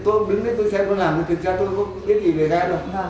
tôi đứng đấy tôi xem nó làm tôi không biết gì về ga đâu